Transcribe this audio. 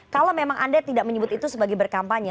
kalau memang anda tidak menyebut itu sebagai berkampanye